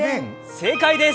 正解です！